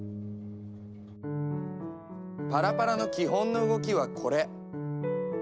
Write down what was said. パラパラの基本の動きはこれ！